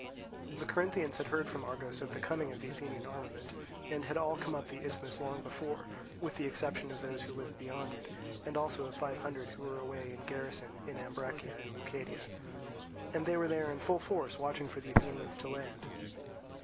The Corinthians had heard from Argos of the coming of the Athenian armament, and had all come up to the Isthmus long before, with the exception of those who lived beyond it, and also of five hundred who were away in garrison in Ambracia and Leucadia; and they were there in full force watching for the Athenians to land.